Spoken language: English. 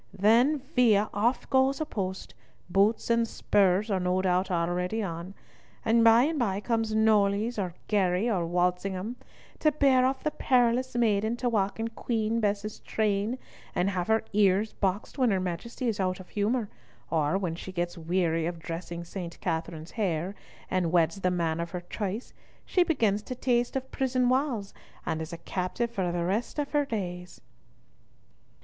Then, via! off goes a post—boots and spurs are no doubt already on—and by and by comes Knollys, or Garey, or Walsingham, to bear off the perilous maiden to walk in Queen Bess's train, and have her ears boxed when her Majesty is out of humour, or when she gets weary of dressing St. Katherine's hair, and weds the man of her choice, she begins to taste of prison walls, and is a captive for the rest of her days."